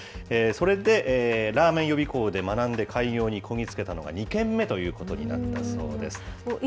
それでらーめん予備校で学んで開業にこぎ着けたのが２軒目ということになったそうです。